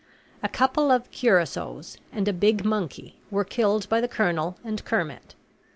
A couple of curassows and a big monkey were killed by the colonel and Kermit.